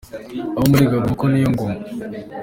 Abo muri Gabon inkoko ni yo ngoma .